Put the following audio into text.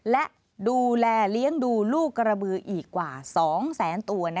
และดูแลเลี้ยงดูลูกกระบืออีกกว่า๒แสนตัว